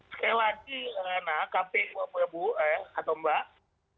sekali lagi nak kpu atau mbak